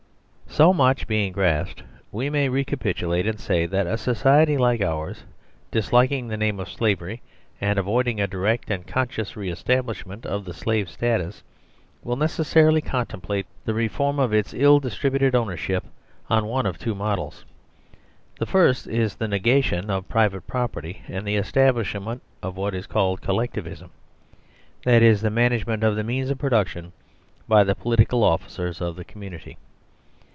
So much being grasped, we may recapitulate and say that a society like ours, disliking the name of "slavery," and avoiding a direct and conscious re establishment of the slave status, will necessarily contemplate the reform of its ill distributed owner ship on one of two models. The first is the negation of private property and the establishment of what is called Collectivism: that is, the management of the means of production by the political officers of the community.